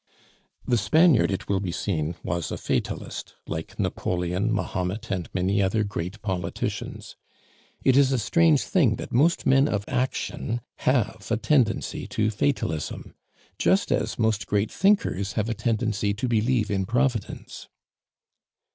The Spaniard, it will be seen, was a fatalist, like Napoleon, Mahomet, and many other great politicians. It is a strange thing that most men of action have a tendency to fatalism, just as most great thinkers have a tendency to believe in Providence.